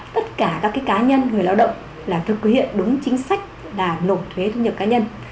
tất cả các cá nhân người lao động là thực hiện đúng chính sách là nộp thuế thu nhập cá nhân